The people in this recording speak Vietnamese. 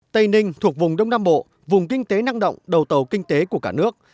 tây ninh thuộc vùng đông nam bộ vùng kinh tế năng động đầu tàu kinh tế của cả nước